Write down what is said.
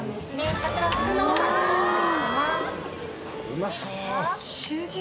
うまそう